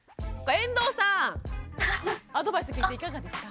遠藤さんアドバイス聞いていかがですか？